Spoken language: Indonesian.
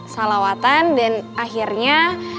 salawatan dan akhirnya